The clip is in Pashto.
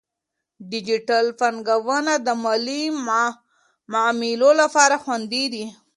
ډیجیټل بانکونه د مالي معاملو لپاره خوندي دي.